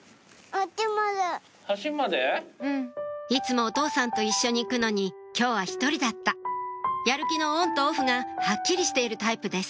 いつもお父さんと一緒に行くのに今日は１人だったやる気のオンとオフがはっきりしているタイプです